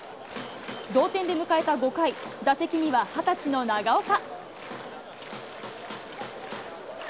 同点で迎えた５回、打席には２０歳の長岡。